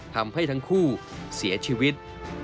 ทำให้ทั้งคู่เสียชีวิต